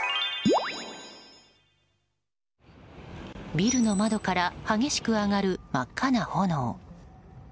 ビルの窓から激しく上がる真っ赤な炎。